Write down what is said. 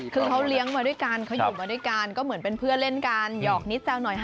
ที่เค้าเลี้ยงมาด้วยกันเค้าอยู่มาด้วยกันก็เหมือนเป็นเพื่อเล่นกัน